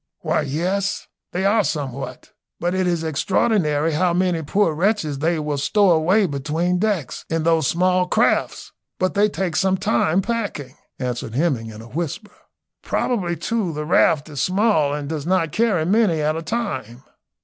"Why, yes, they are somewhat; but it is extraordinary how many poor wretches they will stow away between decks in those small crafts; but they take some time packing," answered Hemming, in a whisper. "Probably too the raft is small and does not carry many at a time."